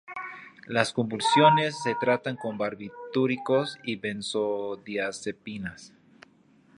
Las convulsiones se tratan con barbitúricos o benzodiazepinas.